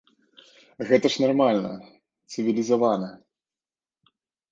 Гэта ж нармальна, цывілізавана.